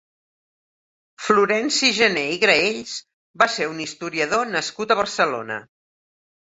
Florenci Janer i Graells va ser un historiador nascut a Barcelona.